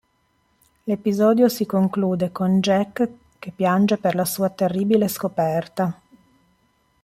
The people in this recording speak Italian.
L'episodio si conclude con Jack che piange per la sua terribile scoperta.